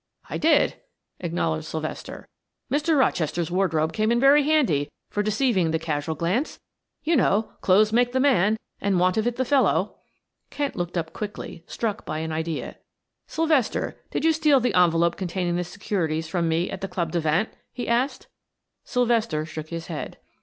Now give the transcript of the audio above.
"I did," acknowledged Sylvester. "Mr. Rochester's wardrobe came in very handy for deceiving the casual glance. You know, 'clothes make the man, and want of it the fellow.'" Kent looked up quickly, struck by an idea. "Sylvester, did you steal the envelope containing the securities from me at the Club de Vingt?" he asked. Sylvester shook his head.